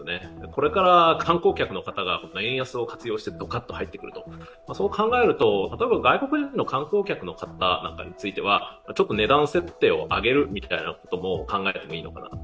これから観光客の方が円安を活用してどかっと入ってくる、そう考えると外国人観光客の方については値段設定を上げることを考えてもいいのかなと。